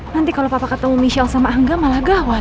nanti kalau papa ketemu michelle sama angga malah gawat